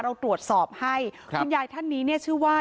เราตรวจสอบให้คุณยายท่านนี้เนี่ยชื่อว่า